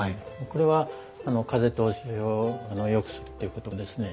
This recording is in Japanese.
これは風通しをよくするっていうことですね。